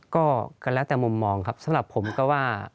ก็แล้วแต่มุมมองครับสำหรับผมก็ว่า